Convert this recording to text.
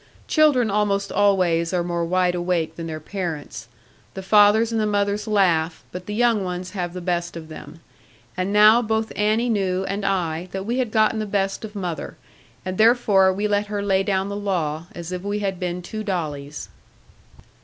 Children almost always are more wide awake than their parents. The fathers and the mothers laugh; but the young ones have the best of them. And now both Annie knew, and I, that we had gotten the best of mother; and therefore we let her lay down the law, as if we had been two dollies.